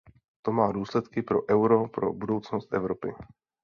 To má důsledky pro euro, pro budoucnost Evropy.